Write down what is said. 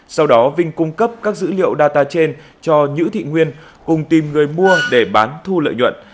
sau đó vinh cung cấp các dữ liệu data trên cho nhữ thị nguyên cùng tìm người mua để bán thu lợi nhuận